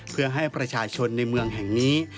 เพื่อให้ประชาชนในเมืองแห่งนี้